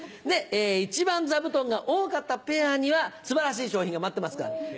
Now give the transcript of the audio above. で一番座布団が多かったペアには素晴らしい賞品が待ってますからね。